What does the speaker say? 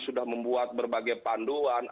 sudah membuat berbagai panduan